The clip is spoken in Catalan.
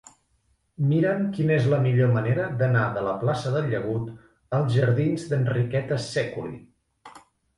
Mira'm quina és la millor manera d'anar de la plaça del Llagut als jardins d'Enriqueta Sèculi.